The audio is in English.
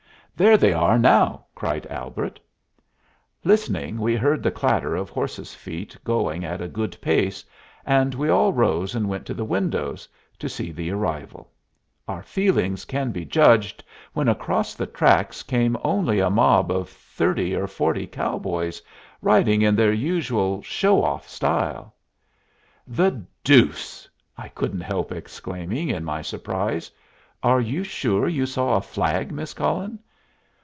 "There they are now!" cried Albert. Listening, we heard the clatter of horses' feet, going at a good pace, and we all rose and went to the windows, to see the arrival. Our feelings can be judged when across the tracks came only a mob of thirty or forty cowboys, riding in their usual "show off" style. "The deuce!" I couldn't help exclaiming, in my surprise. "Are you sure you saw a flag, Miss Cullen?"